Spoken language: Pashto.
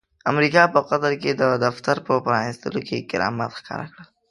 امريکا په قطر کې د دفتر په پرانستلو کې کرامات ښکاره کړل.